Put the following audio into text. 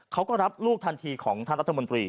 เขาก็รับลูกทันทีของท่านรัฐมนตรี